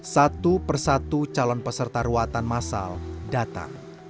satu persatu calon peserta ruatan masal datang